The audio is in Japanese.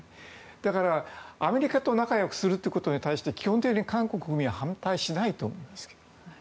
だから、アメリカと仲良くすることに対しては基本的に韓国に反対しないと思います。